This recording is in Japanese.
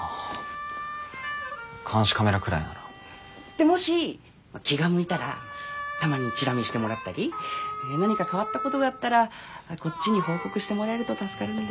でもし気が向いたらたまにチラ見してもらったり何か変わったことがあったらこっちに報告してもらえると助かるんですけど。